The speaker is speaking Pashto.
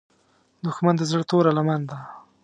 دښمن د زړه توره لمن ده